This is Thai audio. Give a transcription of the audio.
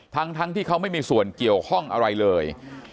ทั้งที่เขาไม่มีส่วนเกี่ยวข้องอะไรเลย